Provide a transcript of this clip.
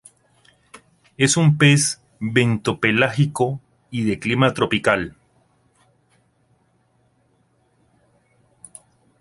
Es un pez bentopelágico y de clima tropical.